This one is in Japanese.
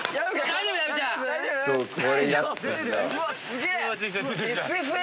すげえ！